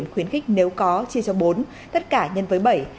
tuyển sinh đại học cao đẳng năm nay